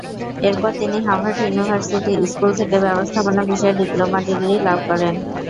এরপর তিনি Harvard university school থেকে ব্যবস্থাপনা বিষয়ে ডিপ্লোমা ডিগ্রি লাভ করেন।